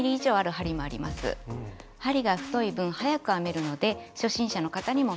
針が太い分早く編めるので初心者の方にもオススメです。